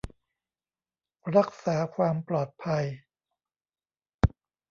รักษาความปลอดภัย